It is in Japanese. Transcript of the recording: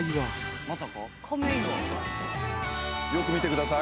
よく見てください。